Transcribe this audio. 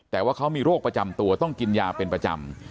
แต่ว่าเขามีโรคประจำตัวต้องกินยาเป็นประจำ